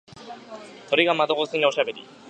鳥が窓越しにおしゃべり。